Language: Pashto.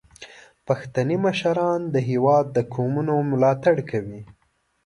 پښتني مشران د هیواد د قومونو ملاتړ کوي.